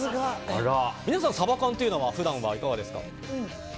皆さん、サバ缶というのは普段はいかがですか？